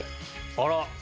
あら。